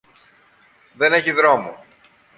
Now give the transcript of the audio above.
Δεν έχει δρόμο.